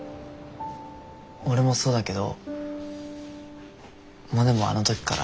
俺もそうだけどモネもあの時から。